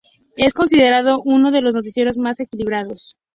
Es considerado uno de los noticieros más equilibrados.